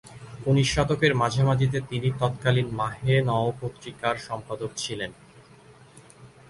উনিশ শতকের মাঝামাঝিতে তিনি তৎকালীন মাহে নও পত্রিকার সম্পাদক ছিলেন।